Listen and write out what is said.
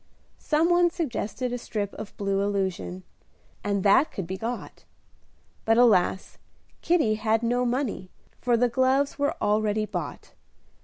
Some one suggested a strip of blue illusion, and that could be got; but, alas! Kitty had no money, for the gloves were already bought.